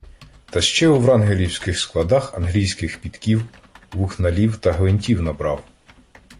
Та ще у врангелівських складах англійських підків, вухналів та гвинтів набрав.